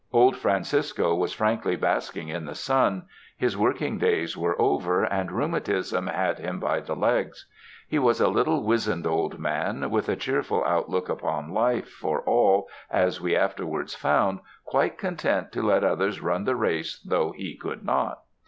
Old Francisco was frankly basking in the sun; his working days were over, and rheumatism had him by the legs. He was a little, wizened old man, with a cheerful outlook upon life for all, as we afterwards found, quite content to let others run the race though he could not.